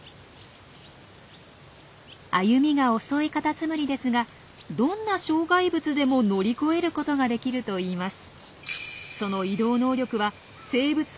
歩みが遅いカタツムリですがどんな障害物でも乗り越えることができるといいます。